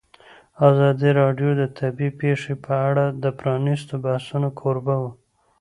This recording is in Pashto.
ازادي راډیو د طبیعي پېښې په اړه د پرانیستو بحثونو کوربه وه.